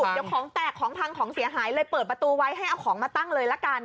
เดี๋ยวของแตกของพังของเสียหายเลยเปิดประตูไว้ให้เอาของมาตั้งเลยละกัน